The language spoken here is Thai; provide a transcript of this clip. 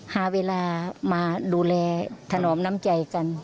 หาเวลามาดูแลถนอมน้ำใจกัน